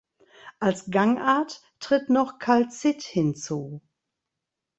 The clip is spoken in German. Als Gangart tritt noch Calcit hinzu.